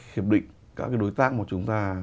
hiệp định các cái đối tác mà chúng ta